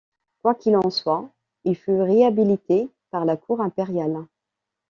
Quoi qu’il en soit, il fut réhabilité par la cour impériale.